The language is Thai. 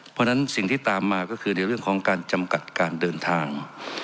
เพราะฉะนั้นสิ่งที่ตามมาก็คือในเรื่องของการจำกัดการเดินทาง